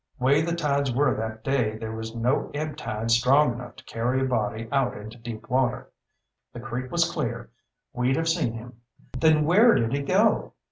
Way the tides were that day, there was no ebb tide strong enough to carry a body out into deep water. The creek was clear. We'd have seen him." "Then where did he go?"